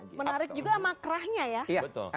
menarik juga emang kerahnya ya